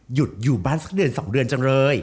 หยุดอยู่บ้านสักเดือน๒เดือนจังเลย